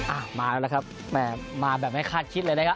อ่ะมาแล้วครับแม่มาแบบไม่คาดคิดเลยนะครับ